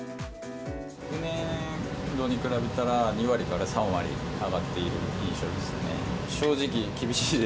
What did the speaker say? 昨年度に比べたら、２割から３割上がっている印象ですね。